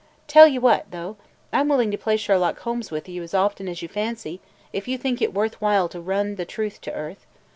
Tell you what, though! I 'm willing to play Sherlock Holmes with you as often as you fancy, if you think it worth while to run the truth to earth.